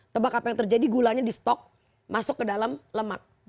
tebak apa yang terjadi gulanya di stok masuk ke dalam lemak